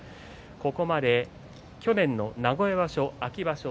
ここまで去年の名古屋場所